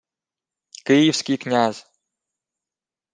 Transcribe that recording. — Київський князь.